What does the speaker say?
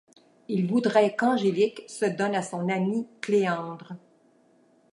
Il voudrait qu'Angélique se donne à son ami Cléandre.